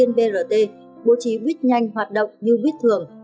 tuyến brt bố trí buýt nhanh hoạt động như buýt thường